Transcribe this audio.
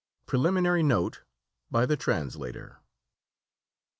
PRELIMINARY NOTE BY THE TRANSLATOR.